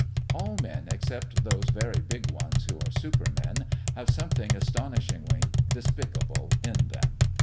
All men, except those very big ones who are supermen, have something astonishingly despicable in them.